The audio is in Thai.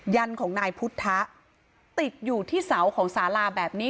ยันของนายพุทธะติดอยู่ที่เสาของสาราแบบนี้